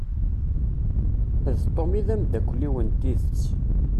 D Tom i d amdakel-iw n tidett.